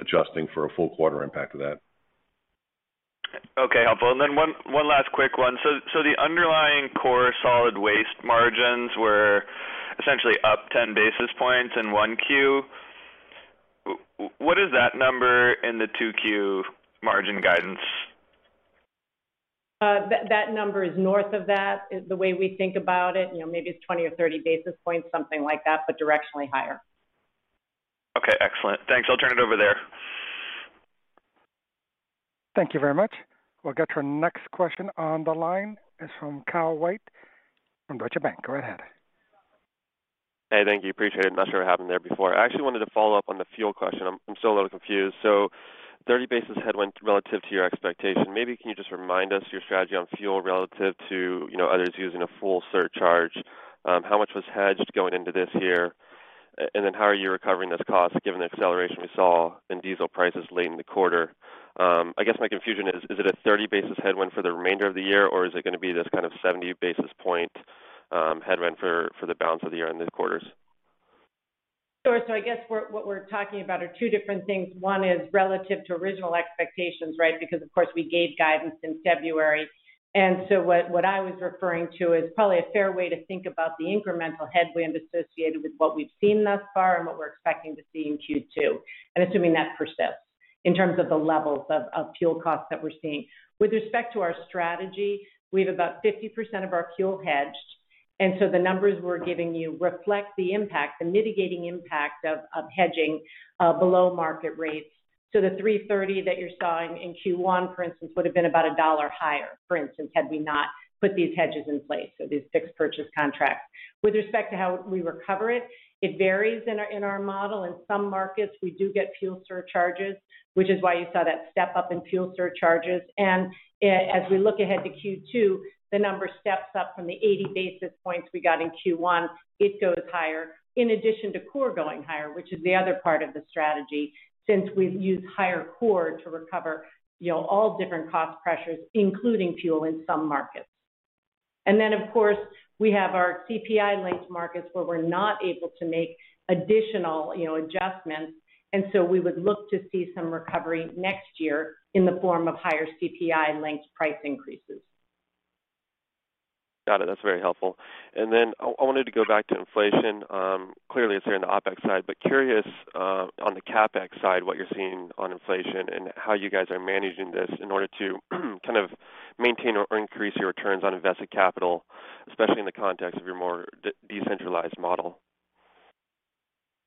adjusting for a full quarter impact of that. Okay, helpful. Then one last quick one. The underlying core solid waste margins were essentially up 10 basis points in 1Q. What is that number in the 2Q margin guidance? That number is north of that, is the way we think about it. You know, maybe it's 20 or 30 basis points, something like that, but directionally higher. Okay, excellent. Thanks. I'll turn it over there. Thank you very much. We'll get your next question on the line is from Kyle White from Deutsche Bank. Go right ahead. Hey, thank you. Appreciate it. Not sure what happened there before. I actually wanted to follow up on the fuel question. I'm still a little confused. Thirty basis points headwind relative to your expectation. Maybe can you just remind us your strategy on fuel relative to, you know, others using a fuel surcharge? How much was hedged going into this year? And then how are you recovering those costs given the acceleration we saw in diesel prices late in the quarter? I guess my confusion is it a 30 basis points headwind for the remainder of the year, or is it going to be this kind of 70 basis points headwind for the balance of the year in these quarters? Sure. I guess what we're talking about are two different things. One is relative to original expectations, right? Because, of course, we gave guidance in February. What I was referring to is probably a fair way to think about the incremental headwind associated with what we've seen thus far and what we're expecting to see in Q2, and assuming that persists in terms of the levels of fuel costs that we're seeing. With respect to our strategy, we have about 50% of our fuel hedged, and the numbers we're giving you reflect the impact, the mitigating impact of hedging below market rates. The $3.30 that you're seeing in Q1, for instance, would have been about $1 higher, for instance, had we not put these hedges in place. These fixed purchase contracts. With respect to how we recover it varies in our model. In some markets, we do get fuel surcharges, which is why you saw that step up in fuel surcharges. As we look ahead to Q2, the number steps up from the 80 basis points we got in Q1, it goes higher in addition to core going higher, which is the other part of the strategy, since we've used higher core to recover, you know, all different cost pressures, including fuel in some markets. Then, of course, we have our CPI-linked markets where we're not able to make additional, you know, adjustments. We would look to see some recovery next year in the form of higher CPI-linked price increases. Got it. That's very helpful. Then I wanted to go back to inflation. Clearly, it's there in the OpEx side, but curious, on the CapEx side, what you're seeing on inflation and how you guys are managing this in order to, kind of, maintain or increase your returns on invested capital, especially in the context of your more decentralized model.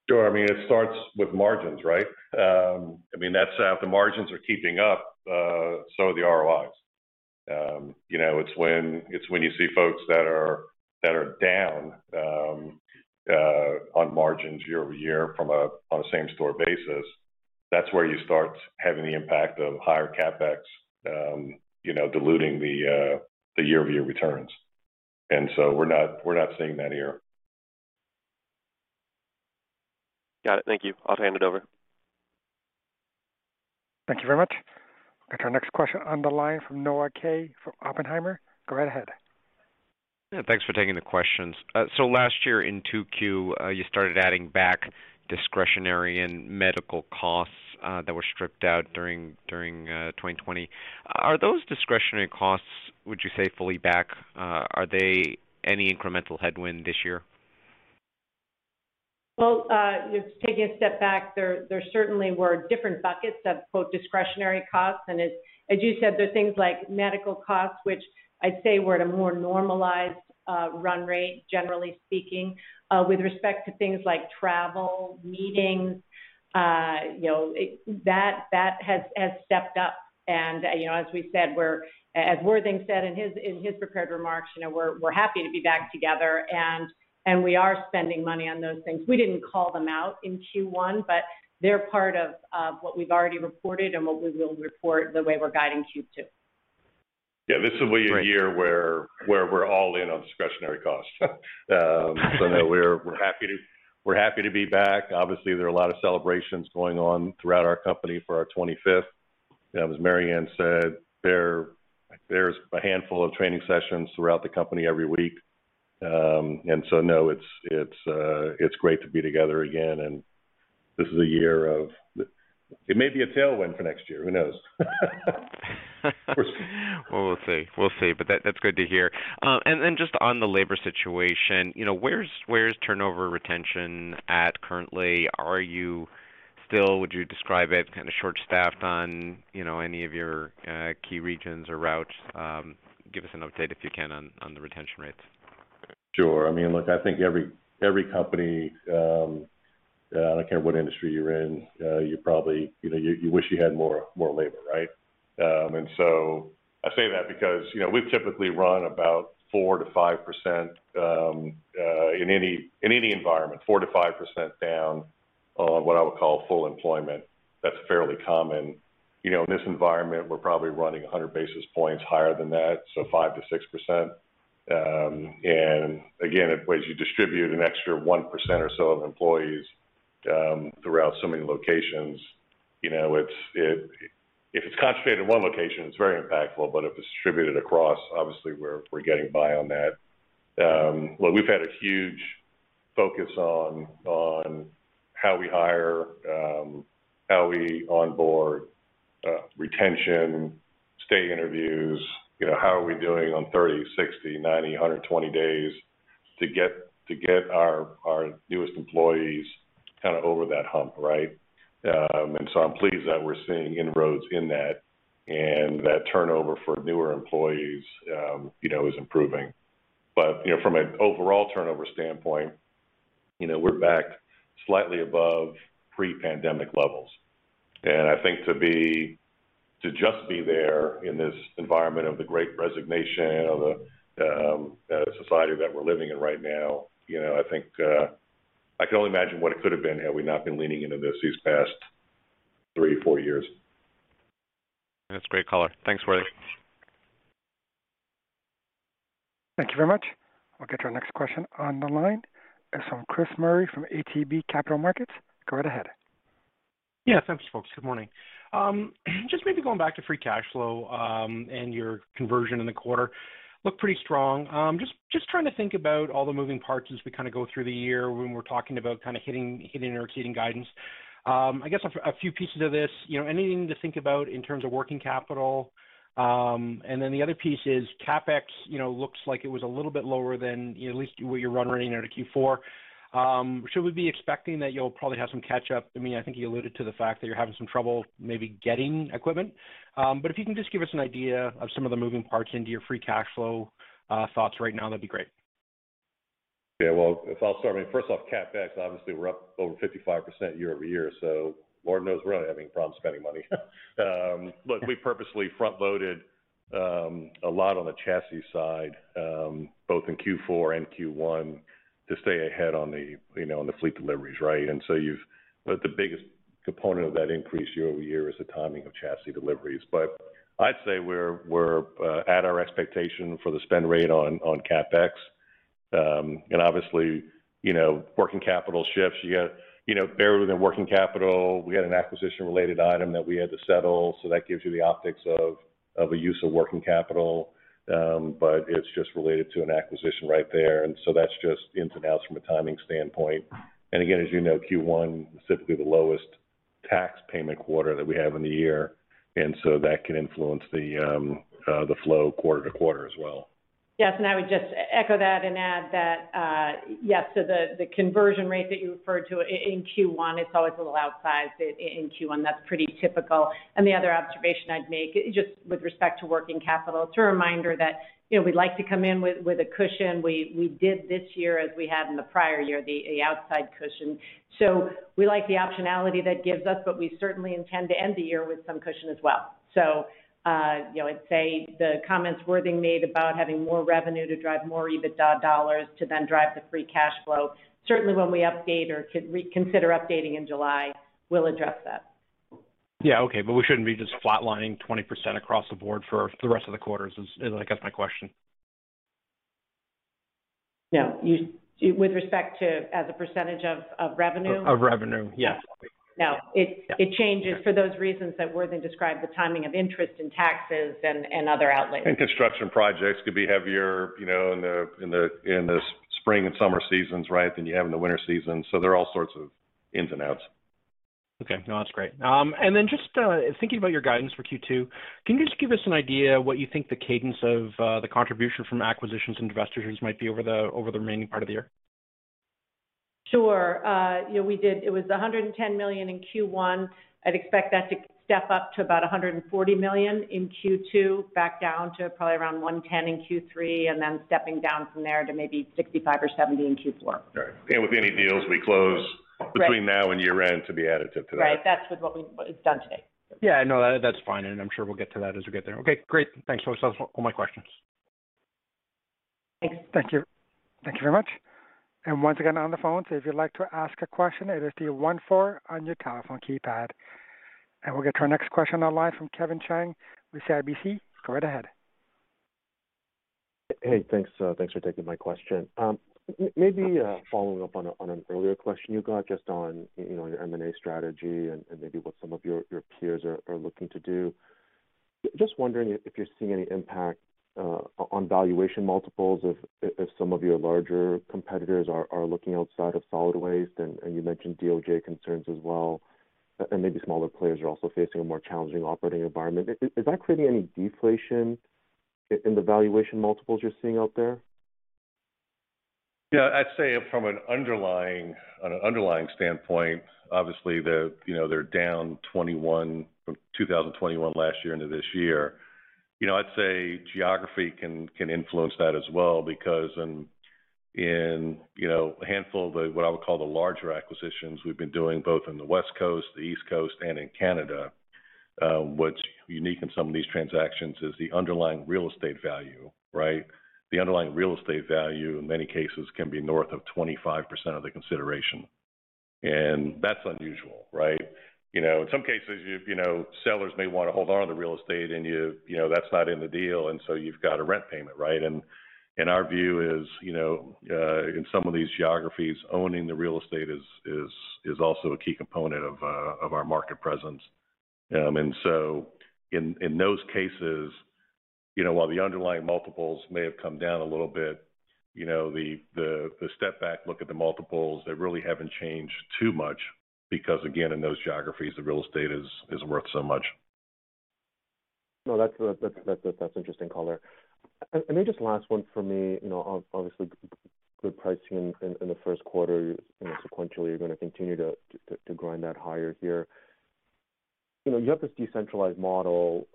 Sure. I mean, it starts with margins, right? I mean, that's how the margins are keeping up, so are the ROIs. You know, it's when you see folks that are down on margins year-over-year on a same store basis, that's where you start having the impact of higher CapEx, you know, diluting the year-over-year returns. We're not seeing that here. Got it. Thank you. I'll hand it over. Thank you very much. Got our next question on the line from Noah Kaye from Oppenheimer. Go right ahead. Yeah, thanks for taking the questions. So last year in 2Q, you started adding back discretionary and medical costs that were stripped out during 2020. Are those discretionary costs, would you say, fully back? Is there any incremental headwind this year? Well, just taking a step back, there certainly were different buckets of, quote, "discretionary costs." As you said, they're things like medical costs, which I'd say we're at a more normalized run rate, generally speaking. With respect to things like travel, meetings, you know, that has stepped up. You know, as we said, as Worthing said in his prepared remarks, you know, we're happy to be back together, and we are spending money on those things. We didn't call them out in Q1, but they're part of what we've already reported and what we will report the way we're guiding Q2. Yeah, this will be a year where we're all in on discretionary costs. No, we're happy to be back. Obviously, there are a lot of celebrations going on throughout our company for our 25th. You know, as Mary Anne said, there's a handful of training sessions throughout the company every week. No, it's great to be together again. It may be a tailwind for next year. Who knows? Well, we'll see. But that's good to hear. Just on the labor situation, you know, where's turnover retention at currently? Would you describe it kind of short-staffed on, you know, any of your key regions or routes? Give us an update, if you can, on the retention rates. Sure. I mean, look, I think every company, I don't care what industry you're in, you probably, you know, you wish you had more labor, right? I say that because, you know, we've typically run about 4%-5% in any environment. 4%-5% down on what I would call full employment. That's fairly common. You know, in this environment, we're probably running 100 basis points higher than that, so 5%-6%. As you distribute an extra 1% or so of employees throughout so many locations, you know, if it's concentrated in one location, it's very impactful, but if it's distributed across, obviously we're getting by on that. Look, we've had a huge focus on how we hire, how we onboard, retention, stay interviews, you know, how are we doing on 30, 60, 90, 120 days to get our newest employees kind of over that hump, right? I'm pleased that we're seeing inroads in that and that turnover for newer employees, you know, is improving. You know, from an overall turnover standpoint, you know, we're back slightly above pre-pandemic levels. I think to just be there in this environment of the Great Resignation, of the society that we're living in right now, you know, I think I can only imagine what it could have been had we not been leaning into these past three, four years. That's a great color. Thanks, Worthy. Thank you very much. We'll get your next question on the line. Chris Murray from ATB Capital Markets, go right ahead. Yeah. Thanks, folks. Good morning. Just maybe going back to free cash flow, and your conversion in the quarter looked pretty strong. Just trying to think about all the moving parts as we kind of go through the year when we're talking about kind of hitting or exceeding guidance. I guess a few pieces of this, you know, anything to think about in terms of working capital. And then the other piece is CapEx, you know, looks like it was a little bit lower than at least what you're running into Q4. Should we be expecting that you'll probably have some catch-up? I mean, I think you alluded to the fact that you're having some trouble maybe getting equipment. If you can just give us an idea of some of the moving parts into your free cash flow thoughts right now, that'd be great. Yeah. Well, I'll start. I mean, first off, CapEx, obviously, we're up over 55% year-over-year, so Lord knows we're not having problems spending money. Look, we purposely front-loaded a lot on the chassis side both in Q4 and Q1 to stay ahead on the, you know, on the fleet deliveries, right? The biggest component of that increase year-over-year is the timing of chassis deliveries. I'd say we're at our expectation for the spend rate on CapEx. And obviously, you know, working capital shifts. You got, you know, buried within working capital, we had an acquisition-related item that we had to settle, so that gives you the optics of a use of working capital. It's just related to an acquisition right there. That's just ins and outs from a timing standpoint. Again, as you know, Q1, specifically the lowest tax payment quarter that we have in the year, and so that can influence the flow quarter to quarter as well. Yes, I would just echo that and add that, yes, so the conversion rate that you referred to in Q1, it's always a little outsized in Q1. That's pretty typical. The other observation I'd make, just with respect to working capital, it's a reminder that, you know, we like to come in with a cushion. We did this year as we had in the prior year, the outsized cushion. We like the optionality that gives us, but we certainly intend to end the year with some cushion as well. You know, I'd say the comments Worthing made about having more revenue to drive more EBITDA dollars to then drive the free cash flow. Certainly when we consider updating in July, we'll address that. Yeah. Okay. We shouldn't be just flatlining 20% across the board for the rest of the quarters is I guess my question? No. With respect to as a percentage of revenue? Of revenue, yes. No. It changes for those reasons that Worthing Jackman described, the timing of interest and taxes and other outlays. Construction projects could be heavier, you know, in the spring and summer seasons, right? Than you have in the winter season. There are all sorts of ins and outs. Okay. No, that's great. Just thinking about your guidance for Q2, can you just give us an idea what you think the cadence of the contribution from acquisitions and divestitures might be over the remaining part of the year? Sure. You know, it was 110 million in Q1. I'd expect that to step up to about 140 million in Q2, back down to probably around 110 million in Q3, and then stepping down from there to maybe 65 or 70 in Q4. Right. With any deals we close- Right. between now and year-end to be additive to that. Right. That's with what is done today. Yeah, no, that's fine. I'm sure we'll get to that as we get there. Okay, great. Thanks so much. That's all my questions. Thank you. Thank you very much. Once again, on the phone, so if you'd like to ask a question, it is the 1 4 on your telephone keypad. We'll get to our next question on the line from Kevin Chiang with CIBC. Go right ahead. Hey, thanks for taking my question. Maybe following up on an earlier question you got just on, you know, your M&A strategy and maybe what some of your peers are looking to do. Just wondering if you're seeing any impact on valuation multiples if some of your larger competitors are looking outside of solid waste, and you mentioned DOJ concerns as well, and maybe smaller players are also facing a more challenging operating environment. Is that creating any deflation in the valuation multiples you're seeing out there? Yeah. I'd say on an underlying standpoint, obviously they're down 21 from 2021 last year into this year. You know, I'd say geography can influence that as well because in a handful of the what I would call the larger acquisitions we've been doing both on the West Coast, the East Coast, and in Canada, what's unique in some of these transactions is the underlying real estate value, right? The underlying real estate value in many cases can be north of 25% of the consideration. That's unusual, right? You know, in some cases, sellers may want to hold on to the real estate and that's not in the deal, and so you've got a rent payment, right? Our view is, you know, in some of these geographies, owning the real estate is also a key component of our market presence. In those cases, you know, while the underlying multiples may have come down a little bit, you know, the step back look at the multiples, they really haven't changed too much because again, in those geographies, the real estate is worth so much. No, that's interesting color. Maybe just last one for me, you know, obviously good pricing in the first quarter, you know, sequentially you're going to continue to grind that higher here. You know, you have this decentralized model.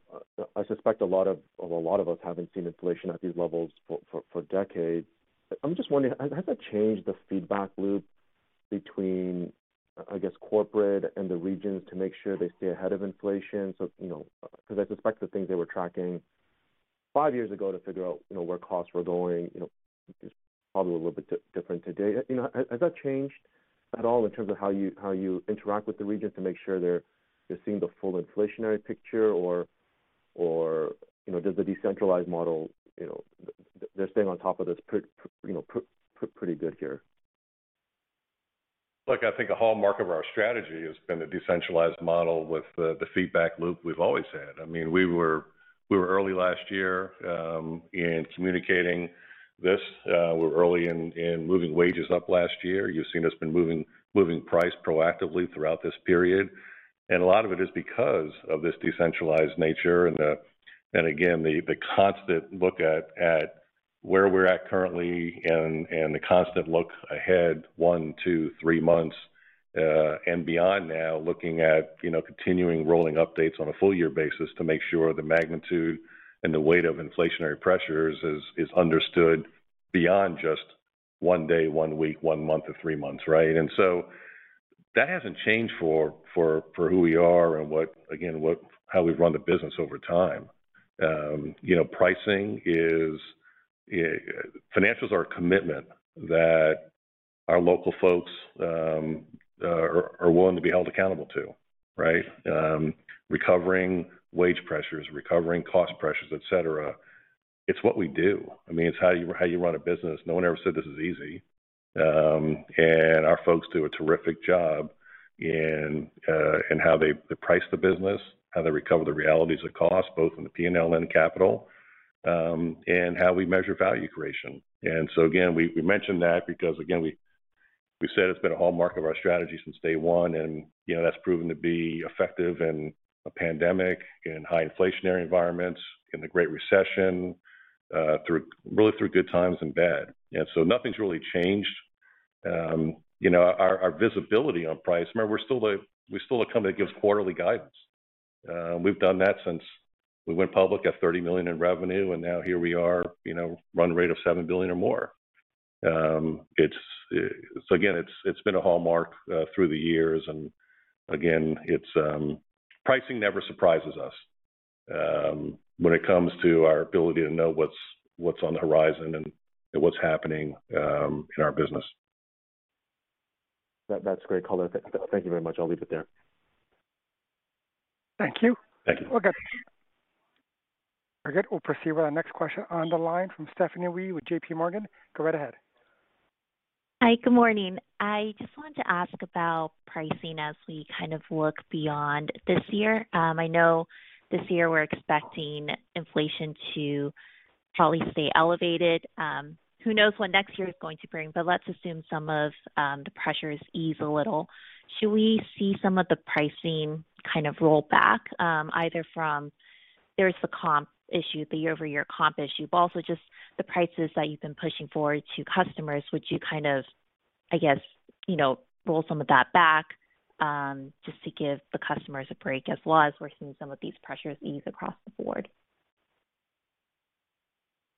I suspect a lot of us haven't seen inflation at these levels for decades. I'm just wondering, has that changed the feedback loop between, I guess, corporate and the regions to make sure they stay ahead of inflation? You know, 'cause I suspect the things they were tracking five years ago to figure out, you know, where costs were going, you know, is probably a little bit different today. You know, has that changed at all in terms of how you interact with the regions to make sure they're seeing the full inflationary picture? You know, does the decentralized model, you know, they're staying on top of this pretty good here? Look, I think a hallmark of our strategy has been the decentralized model with the feedback loop we've always had. I mean, we were early last year in communicating this. We're early in moving wages up last year. You've seen us been moving price proactively throughout this period. A lot of it is because of this decentralized nature and again the constant look at where we're at currently and the constant look ahead one, two, three months, and beyond now, looking at you know continuing rolling updates on a full year basis to make sure the magnitude and the weight of inflationary pressures is understood beyond just one day, one week, one month to three months, right? That hasn't changed for who we are and what we are. How we've run the business over time. You know, pricing is financials are a commitment that our local folks are willing to be held accountable to, right? Recovering wage pressures, recovering cost pressures, et cetera, it's what we do. I mean, it's how you run a business. No one ever said this is easy. Our folks do a terrific job in how they price the business, how they recover the realities of cost, both in the P&L and in capital, and how we measure value creation. Again, we mention that because again, we said it's been a hallmark of our strategy since day one, and you know, that's proven to be effective in a pandemic, in high inflationary environments, in the Great Recession, through really good times and bad. Nothing's really changed. You know, our visibility on price, remember we're still a company that gives quarterly guidance. We've done that since we went public at 30 million in revenue, and now here we are, you know, run rate of 7 billion or more. It's been a hallmark through the years, and again, it's pricing never surprises us when it comes to our ability to know what's on the horizon and what's happening in our business. That, that's great color. Thank you very much. I'll leave it there. Thank you. Thank you. Okay. Very good. We'll proceed with our next question on the line from Stephanie Yee with JPMorgan. Go right ahead. Hi. Good morning. I just wanted to ask about pricing as we kind of look beyond this year. I know this year we're expecting inflation to probably stay elevated. Who knows what next year is going to bring, but let's assume some of the pressures ease a little. Should we see some of the pricing kind of roll back, either from the comp issue, the year-over-year comp issue, but also just the prices that you've been pushing forward to customers. Would you kind of, I guess, you know, roll some of that back, just to give the customers a break as well as we're seeing some of these pressures ease across the board?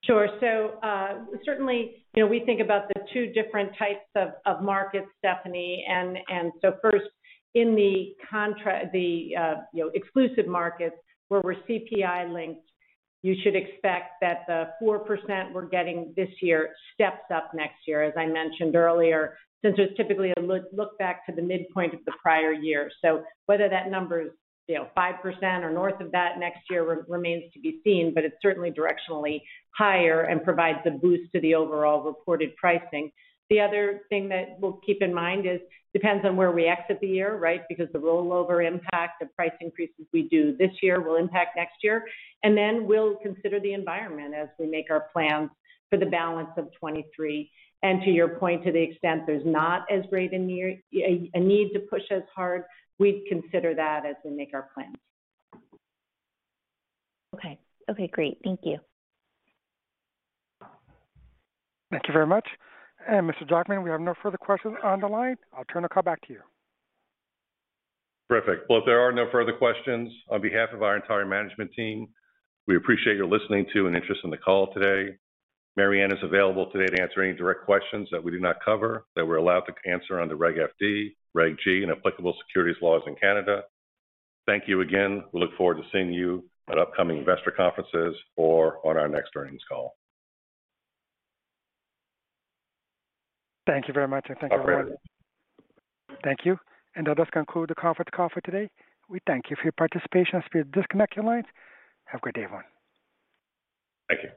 Sure. So certainly, you know, we think about the two different types of markets, Stephanie. First, in the exclusive markets where we're CPI linked, you should expect that the 4% we're getting this year steps up next year, as I mentioned earlier, since it's typically a look back to the midpoint of the prior year. Whether that number is, you know, 5% or north of that next year remains to be seen, but it's certainly directionally higher and provides a boost to the overall reported pricing. The other thing that we'll keep in mind is, depends on where we exit the year, right? Because the rollover impact of price increases we do this year will impact next year. Then we'll consider the environment as we make our plans for the balance of 2023. To your point, to the extent there's not as great a need to push as hard, we'd consider that as we make our plans. Okay. Okay, great. Thank you. Thank you very much. Mr. Jackman, we have no further questions on the line. I'll turn the call back to you. Terrific. Well, if there are no further questions, on behalf of our entire management team, we appreciate your listening to and interest in the call today. Mary Anne is available today to answer any direct questions that we did not cover that we're allowed to answer under Regulation FD, Regulation G, and applicable securities laws in Canada. Thank you again. We look forward to seeing you at upcoming investor conferences or on our next earnings call. Thank you very much, and thank you, everyone. All right. Thank you. That does conclude the conference call for today. We thank you for your participation. As we disconnect your lines, have a great day, everyone. Thank you.